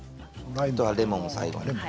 レモンを最後に。